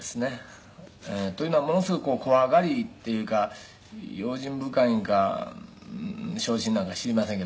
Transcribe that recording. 「というのはものすごい怖がりっていうか用心深いんか小心なんか知りませんけどね」